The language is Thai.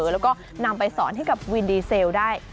แล้วก็นำไปสอนให้กับวินดีเซลได้